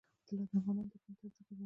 طلا د افغانانو د ژوند طرز اغېزمنوي.